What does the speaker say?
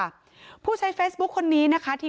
เหมือนมีอะไรบาดข้างในปากแล้วนี่ค่ะคือสิ่งที่อยู่ในคณะหมูกรอบ